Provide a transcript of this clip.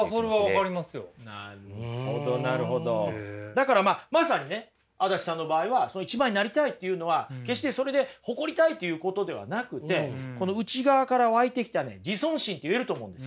だからまあまさにね足立さんの場合は一番になりたいというのは決してそれで誇りたいということではなくて内側から湧いてきた自尊心と言えると思うんです。